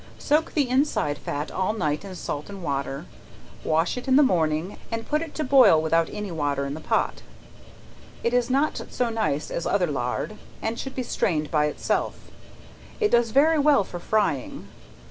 Soak the inside fat all night in salt and water; wash it in the morning, and put it to boil without any water in the pot. It is not so nice as other lard, and should be strained by itself. It does very well for frying.